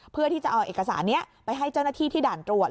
เพื่อที่จะเอาเอกสารนี้ไปให้เจ้าหน้าที่ที่ด่านตรวจ